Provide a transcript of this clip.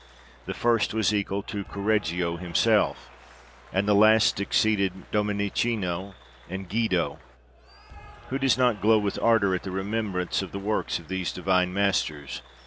The first was equal to Correggio him self, and the last exceeded Dominichino and Guido. Who does not glow with ardour at the rememberance of the works of these divine masters